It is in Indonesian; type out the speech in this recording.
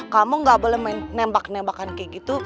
kamu gak boleh main nembak nembakan kayak gitu